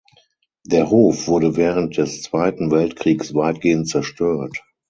Der Hof wurde während des Zweiten Weltkriegs weitgehend zerstört.